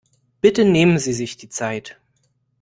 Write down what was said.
Bitte nehmen sie sich die Zeit.